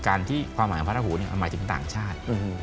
ที่ความหมายของพระราหูหมายถึงต่างชาติ